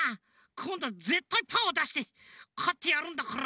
こんどはぜったいパーをだしてかってやるんだから！